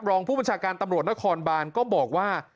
รองผู้บัญชาการตำรวจนครบานก็บอกว่า